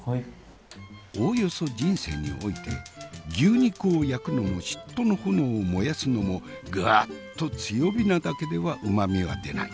おおよそ人生において牛肉を焼くのも嫉妬の炎を燃やすのもガッと強火なだけではうまみは出ない。